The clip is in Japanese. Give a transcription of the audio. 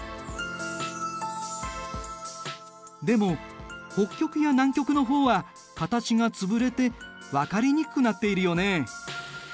でも北極や南極の方は形が潰れて分かりにくくなっているよね。